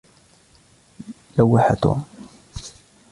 لَوَحَ توم.